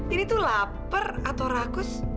ini tuh lapar atau rakus